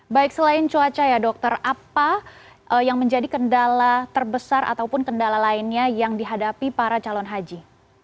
baik selain cuaca ya dokter apa yang menjadi kendala terbesar ataupun kendala lainnya yang dihadapi para calon haji